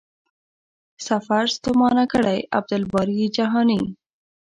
سفر ستومانه کړی.عبدالباري جهاني